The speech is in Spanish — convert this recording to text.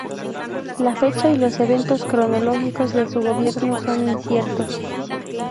La fecha y los eventos cronológicos de su gobierno son inciertos.